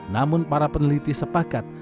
namun para peneliti sepakat